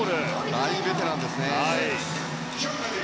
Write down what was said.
大ベテランですね。